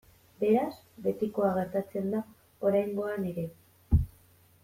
Beraz, betikoa gertatzen da oraingoan ere.